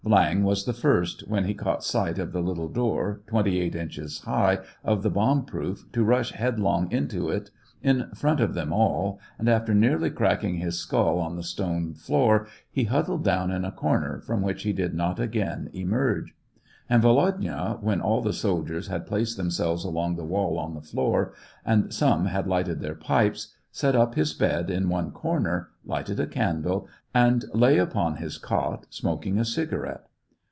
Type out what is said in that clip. Viang was the first, when he caught sight of the little door, twenty eight inches high, of the bomb proof, to rush headlong into it, in front of them all, and, after nearly cracking his skull on the stone SEVASTOPOL IN AUGUST. 227 floor, he huddled down in a corner, from which he did not again emerge. And Volodya, when all the soldiers had placed themselves along the wall on the floor, and some had lighted their pipes, set up his bed in one cor ner, lighted a candle, and lay upon his cot, smok ing a cigarette.